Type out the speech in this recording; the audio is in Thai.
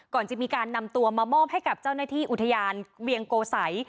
ก่อนจะมีการนำตัวมามอบให้กับเจ้าหน้าที่อุทยานเวียงโกสัย